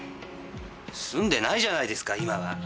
住んでないじゃないですか今は。